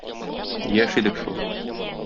Яшь идек шул...